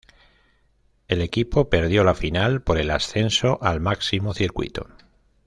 El equipo perdió la final por el ascenso al máximo circuito.